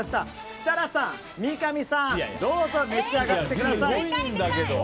設楽さん、三上さんどうぞ召し上がってください。